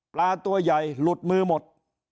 ตัวใหญ่หลุดมือหมด